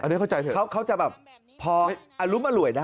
อันนี้เข้าใจเถอะเขาจะแบบพออรุมอร่วยได้